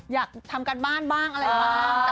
อยากทำการบ้านบ้างอะไรบ้าง